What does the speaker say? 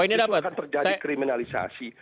itu akan terjadi kriminalisasi